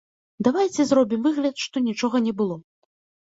Давайце зробім выгляд, што нічога не было?